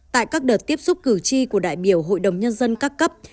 tại các đợt tiếp xúc cử tri của đại biểu hội đồng nhân dân các cấp